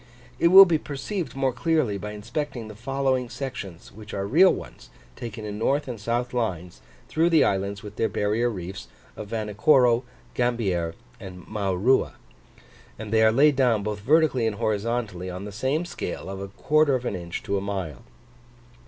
It will be perceived more clearly by inspecting the following sections which are real ones, taken in north and south lines, through the islands with their barrier reefs, of Vanikoro, Gambier, and Maurua; and they are laid down, both vertically and horizontally, on the same scale of a quarter of an inch to a mile.